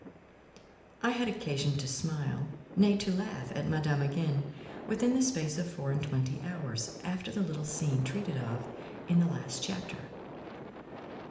I had occasion to smile—nay, to laugh, at Madame again, within the space of four and twenty hours after the little scene treated of in the last chapter.